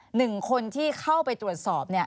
หนึ่งคนที่เข้าไปตรวจสอบ